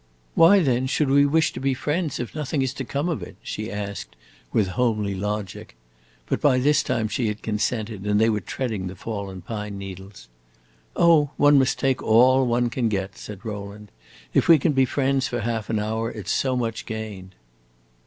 "Why then should we wish to be friends, if nothing is to come of it?" she asked, with homely logic. But by this time she had consented, and they were treading the fallen pine needles. "Oh, one must take all one can get," said Rowland. "If we can be friends for half an hour, it 's so much gained."